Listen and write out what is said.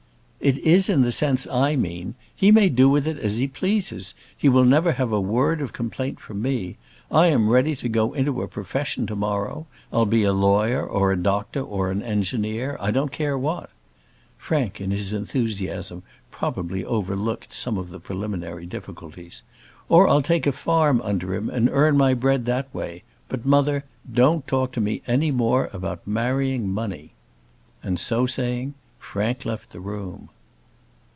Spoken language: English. "It is in the sense I mean. He may do with it as he pleases; he will never have a word of complaint from me. I am ready to go into a profession to morrow. I'll be a lawyer, or a doctor, or an engineer; I don't care what." Frank, in his enthusiasm, probably overlooked some of the preliminary difficulties. "Or I'll take a farm under him, and earn my bread that way; but, mother, don't talk to me any more about marrying money." And, so saying, Frank left the room.